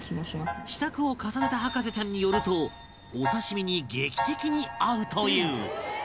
試作を重ねた博士ちゃんによるとお刺身に劇的に合うという